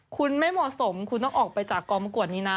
คนไม่เหมาะสมคนต้องออกไปจากกรปกรุ่นนี้นะ